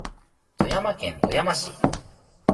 富山県富山市